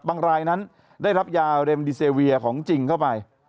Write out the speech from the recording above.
บางรายนั้นได้รับยาเลมเดซิเวียของจริงเข้าไป